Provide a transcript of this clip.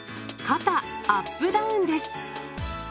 「肩アップダウン」です。